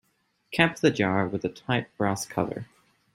Cap the jar with a tight brass cover.